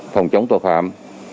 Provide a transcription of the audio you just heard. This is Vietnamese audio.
phòng chống tội phạm